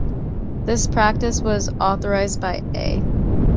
This practice was authorised by A.